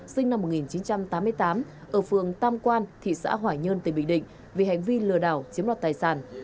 sinh năm một nghìn chín trăm tám mươi tám ở phường tam quan thị xã hoài nhơn tỉnh bình định vì hành vi lừa đảo chiếm đoạt tài sản